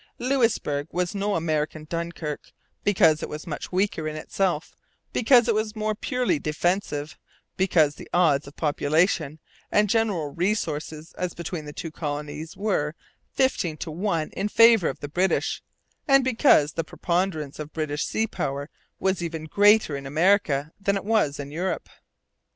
Louisbourg was no American Dunkirk because it was much weaker in itself, because it was more purely defensive, because the odds of population and general resources as between the two colonies were fifteen to one in favour of the British, and because the preponderance of British sea power was even greater in America than it was in Europe.